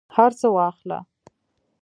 هرڅه واخله